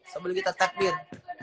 sebelum kita takbir